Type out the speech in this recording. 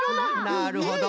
なるほど。